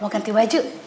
mau ganti baju